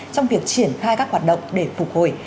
trong việc triển khai các hoạt động để phục hồi